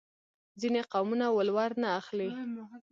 ځینې قومونه ولور نه اخلي.